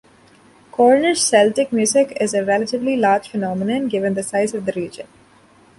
Cornish Celtic music is a relatively large phenomenon given the size of the region.